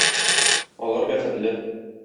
Алар бәхетле!